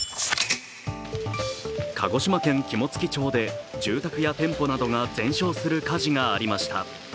鹿児島県肝付町で住宅や店舗などが全焼する火事がありました。